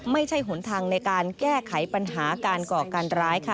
ไม่ใช่หนทางในการแก้ไขปัญหาการเกาะการร้ายค่ะ